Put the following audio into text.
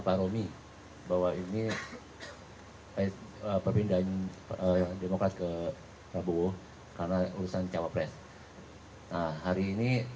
pak romi bahwa ini perpindahan demokrat ke prabowo karena urusan cawapres nah hari ini